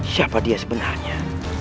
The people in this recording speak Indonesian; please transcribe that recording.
siapa dia sebenarnya